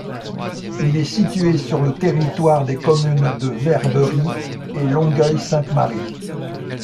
Il est situé sur le territoire des communes de Verberie et Longueil-Sainte-Marie.